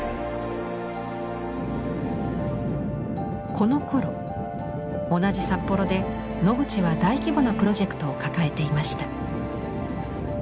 このころ同じ札幌でノグチは大規模なプロジェクトを抱えていました。